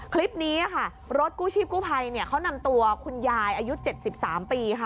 คลิปนี้ค่ะรถกู้ชีพกู้ภัยเขานำตัวคุณยายอายุ๗๓ปีค่ะ